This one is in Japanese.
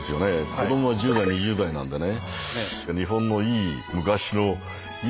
子どもは１０代２０代なんでね。